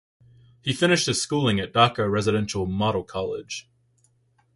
He finished his schooling at Dhaka Residential Model College.